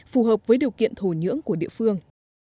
phù hợp với điều kiện thổ nhưỡng của địa phương